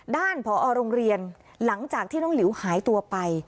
ผอโรงเรียนหลังจากที่น้องหลิวหายตัวไป